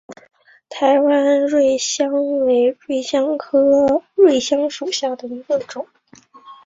台湾瑞香为瑞香科瑞香属下的一个种。